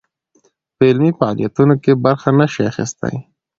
په علمي فعاليتونو کې برخه نه شي اخىستى